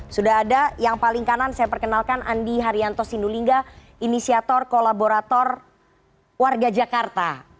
sudah ada yang paling kanan saya perkenalkan andi haryanto sindulingga inisiator kolaborator warga jakarta